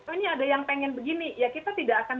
ini ada yang ingin begini ya kita tidak akan